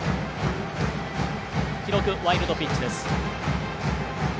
記録、ワイルドピッチです。